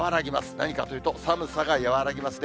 何かというと、寒さが和らぎますね。